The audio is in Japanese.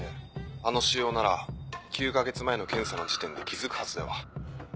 あの腫瘍なら９か月前の検査の時点で気付くはずでは？